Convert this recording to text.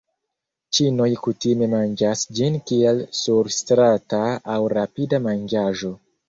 Ĉinoj kutime manĝas ĝin kiel surstrata aŭ rapida manĝaĵo.